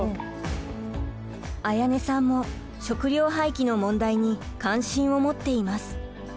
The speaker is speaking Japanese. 絢音さんも食料廃棄の問題に関心を持っています。